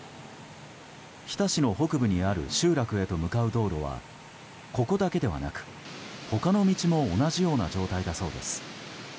日田市の北部にある集落へと向かう道路はここだけではなく他の道も同じような状態だそうです。